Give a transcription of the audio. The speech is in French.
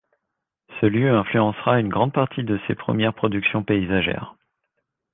Ce lieu influencera une grande partie de ses premières productions paysagères.